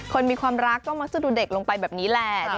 คนมีความรักก็มักจะดูเด็กลงไปแบบนี้แหละ